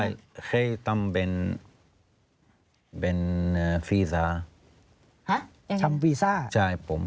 มีใครต้องจ่ายค่าคุมครองกันทุกเดือนไหม